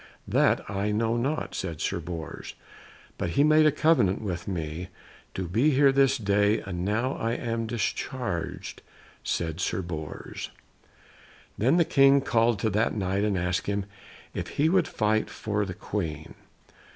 "That I know not," said Sir Bors; "but he made a covenant with me to be here this day, and now I am discharged," said Sir Bors. Then the King called to that Knight and asked him if he would fight for the Queen.